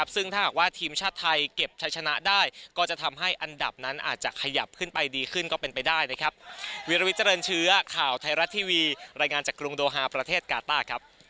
ซึ่งถ้าหากว่าทีมชาติไทยเก็บใช้ชนะได้ก็จะทำให้อันดับนั้นอาจจะขยับขึ้นไปดีขึ้นก็เป็นไปได้นะครับ